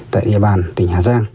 tại địa bàn tỉnh hà giang